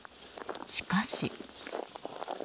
しかし。